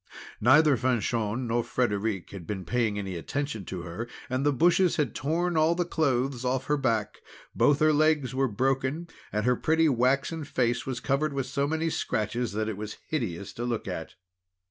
Neither Fanchon nor Frederic had been paying any attention to her, and the bushes had torn all the clothes off her back; both her legs were broken; while her pretty waxen face was covered with so many scratches that it was hideous to look at.